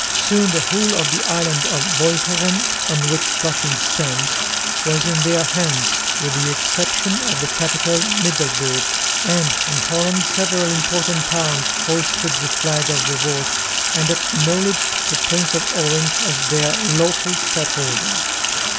Soon the whole of the island of Walcheren, on which Flushing stands, was in their hands with the exception of the capital Middelburg; and in Holland several important towns hoisted the flag of revolt and acknowledged the Prince of Orange as their lawful Stadholder.